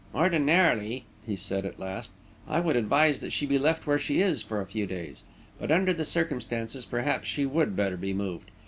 "Ordinarily," he said, at last, "I would advise that she be left where she is for a few days; but, under the circumstances, perhaps she would better be moved.